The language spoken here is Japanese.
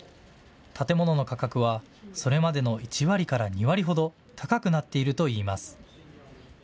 建物の価格はそれまでの１割から２割ほど高くなっているといいます。